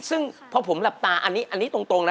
ซึ่งพอผมหลับตาอันนี้ตรงนะ